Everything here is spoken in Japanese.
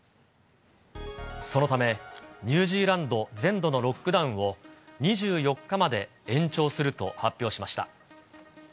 そのため、ニュージーランド全土のロックダウンを２４日まで延長すると発表しました。